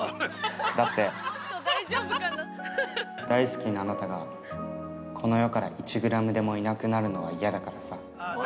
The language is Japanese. だって、大好きなあなたがこの世から１グラムでもいなくなるのは嫌だからさ。